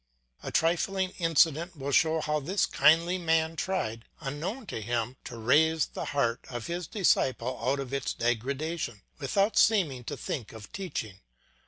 A trifling incident will show how this kindly man tried, unknown to him, to raise the heart of his disciple out of its degradation, without seeming to think of teaching.